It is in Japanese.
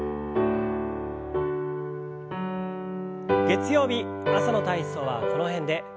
月曜日朝の体操はこの辺で。